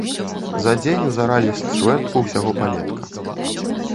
За дзень узаралі з чвэртку ўсяго палетка.